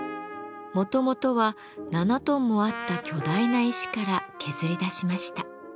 もともとは７トンもあった巨大な石から削り出しました。